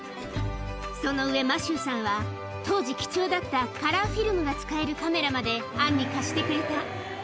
その上、マシューさんは当時、貴重だったカラーフィルムが使えるカメラまでアンに貸してくれた。